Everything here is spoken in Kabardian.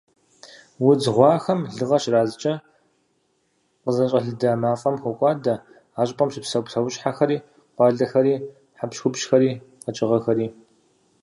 Удз гъуахэм лыгъэ щрадзкӀэ, къызэщӀэлыда мафӀэм хокӀуадэ а щӀыпӀэм щыпсэу псэущхьэхэри, къуалэхэри, хьэпщхупщхэри, къэкӏыгъэхэри.